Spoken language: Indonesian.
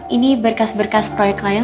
ini berkas berkas proyek klien